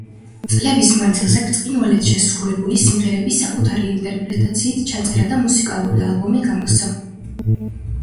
წლების მანძილზე ბრწყინვალედ შესრულებული სიმღერები საკუთარი ინტერპრეტაციით ჩაწერა და მუსიკალური ალბომი გამოსცა.